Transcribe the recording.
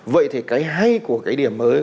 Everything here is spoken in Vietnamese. vậy thì cái hay của cái điểm mới